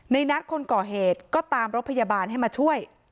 ในนัดคนก่อเหตุก็ตามรถพยาบาลให้มาช่วย